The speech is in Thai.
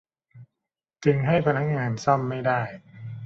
จึงให้พนักงานซ่อมไม่ได้